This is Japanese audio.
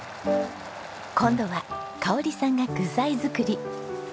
今度は香織さんが具材作り。